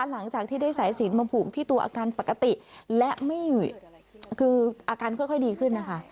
หลังจากที่ได้สายศีลมาผูกที่ตัวอาการปกติและไม่คืออาการค่อยดีขึ้นนะคะ